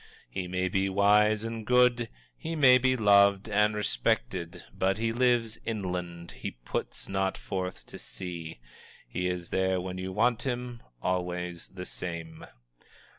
He may be wise and good, he may be loved and respected but he lives inland; he puts not forth to sea. He is there when you want him, always the same.